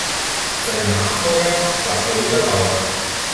Sein Nachfolger war Oliver Bauer.